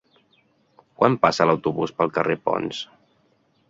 Quan passa l'autobús pel carrer Ponts?